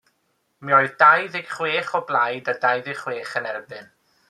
Mi oedd dau ddeg chwech o blaid a dau ddeg chwech yn erbyn.